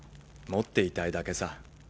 持っていたいだけさ。